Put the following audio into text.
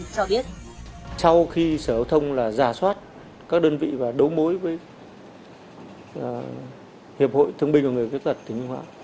sau khi sở hữu thông là giả soát các đơn vị và đối mối với hiệp hội thương bình và người kết thuật tỉnh hóa